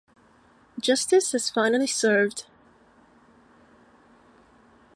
Justice is finally served.